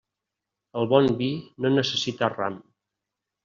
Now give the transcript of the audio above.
El bon vi no necessita ram.